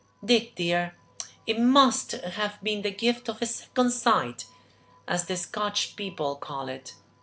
Dick, dear, it must have been the gift of `second sight,' as the Scotch people call it.